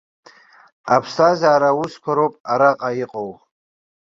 Аԥсҭазаара аусқәа роуп араҟа иҟоу.